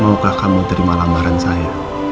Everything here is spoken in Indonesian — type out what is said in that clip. maukah kamu terima lambaran saya